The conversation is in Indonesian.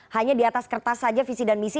hanya di atas kertas saja visi dan misi